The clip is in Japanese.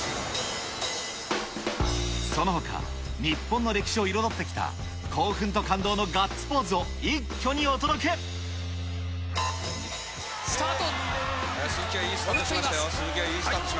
そのほか、日本の歴史を彩ってきた、興奮と感動のガッツポーズを一挙にお届け。スタート。